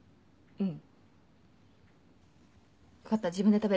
うん？